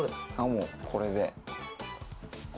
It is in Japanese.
もうこれで。